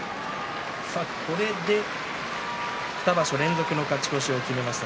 これで２場所連続の勝ち越しを決めました。